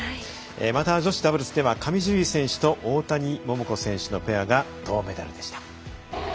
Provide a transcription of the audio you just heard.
また女子ダブルスでは上地結衣選手と大谷桃子選手のペアが銅メダルでした。